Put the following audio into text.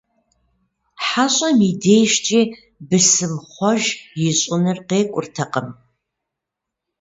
ХьэщӀэм и дежкӀи бысымхъуэж ищӀыныр къекӀуртэкъым.